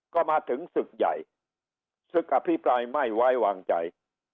ก็มาถึงศึกใหญ่ศึกอภิปรายไม่ไว้วางใจ